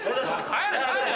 帰れ帰れ！